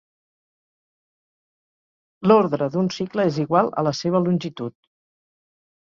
L'ordre d'un cicle és igual a la seva longitud.